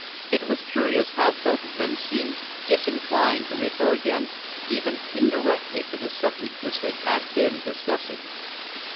It was curious how both of them seemed disinclined to refer again even indirectly to the subject which they had been discussing.